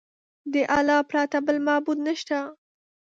د الله پرته بل معبود نشته.